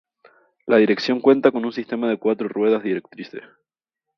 La dirección cuenta con un sistema de cuatro ruedas directrices.